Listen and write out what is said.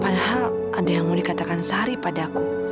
padahal ada yang mau dikatakan sari padaku